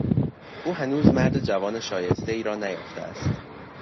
او هنوز مرد جوان شایستهای را نیافته است.